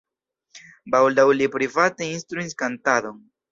Baldaŭ li private instruis kantadon.